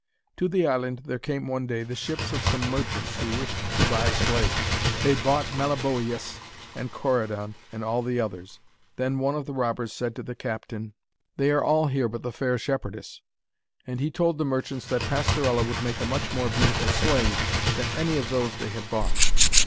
To the island there came one day the ships of some merchants who wished to buy slaves. They bought Meliboeus and Corydon and all the others. Then one of the robbers said to the captain: 'They are all here but the fair shepherdess.' And he told the merchants that Pastorella would make a much more beautiful slave than any of those they had bought.